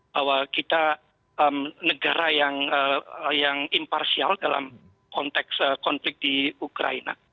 bahwa kita negara yang imparsial dalam konteks konflik di ukraina